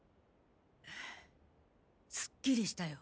ハアすっきりしたよ。